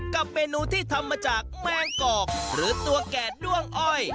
กับเมนูที่ทำมาจากแมงกอกหรือตัวแก่ด้วงอ้อย